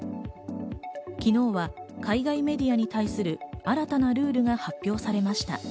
昨日は海外メディアに対する新たなルールが発表されました。